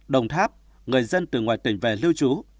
đồng tháp người dân từ ngoài tỉnh về lưu trú